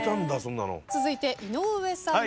続いて井上さんです。